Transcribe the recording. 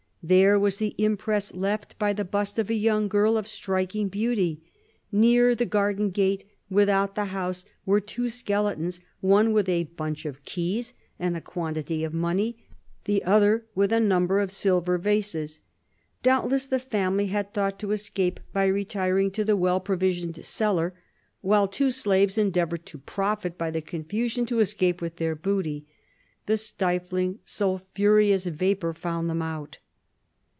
There was the impress left by the bust of a young girl of striking beauty. Near the garden gate without the house were two skeletons; one with a bunch of keys and a quantity of money; the other with a number of silver vases. Doubtless the family had thought to escape by retiring to the well provisioned cellar; while two slaves endeavored to profit by the confusion to escape with their booty. The stifling sulphureous vapor found them out.